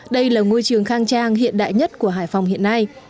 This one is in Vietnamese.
đây là ngôi trường khang trang hiện đại nhất của hải phòng hiện nay